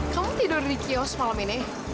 kamu tidur di kios malam ini